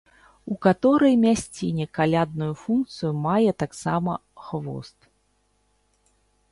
У каторай мясціне калядную функцыю мае таксама хвост.